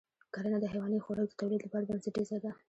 کرنه د حیواني خوراک د تولید لپاره بنسټیزه ده.